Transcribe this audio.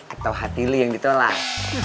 atau hati lu yang ditolak